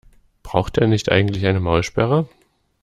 Braucht der nicht eigentlich eine Maulsperre?